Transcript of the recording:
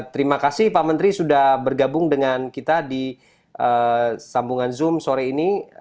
terima kasih pak menteri sudah bergabung dengan kita di sambungan zoom sore ini